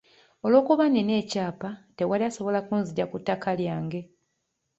Olw'okuba nina ekyapa, tewali asobola kunzigya ku ttaka lyange.